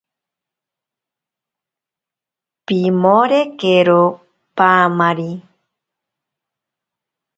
Pimorekero paamari.